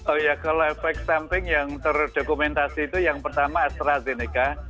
oh ya kalau efek samping yang terdokumentasi itu yang pertama astrazeneca